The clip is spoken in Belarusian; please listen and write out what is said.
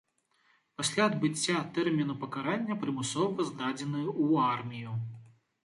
Пасля адбыцця тэрміну пакарання прымусова здадзены ў армію.